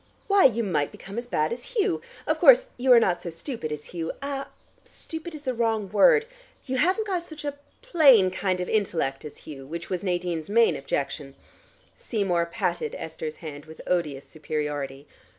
Why, you might become as bad as Hugh. Of course you are not so stupid as Hugh ah, stupid is the wrong word you haven't got such a plain kind of intellect as Hugh which was Nadine's main objection " Seymour patted Esther's hand with odious superiority.